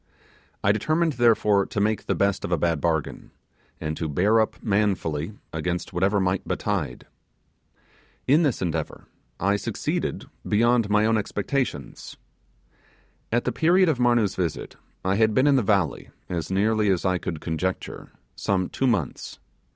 I determined, therefore, to make the best of a bad bargain, and to bear up manfully against whatever might betide. In this endeavour, I succeeded beyond my own expectations. At the period of Marnoo's visit, I had been in the valley, as nearly as I could conjecture, some two months.